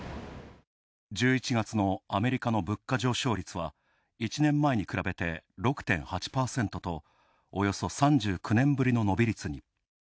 １１月のアメリカの物価上昇率は１年前に比べて６．８％とおよそ３９年ぶりの伸び率に。